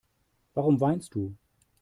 Warum weinst du?